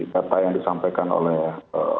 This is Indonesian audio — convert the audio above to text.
kata yang disampaikan oleh